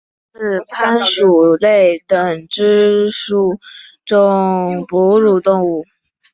道氏攀鼠属等之数种哺乳动物。